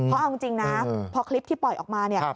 เพราะเอาจริงนะพอคลิปที่ปล่อยออกมาเนี่ย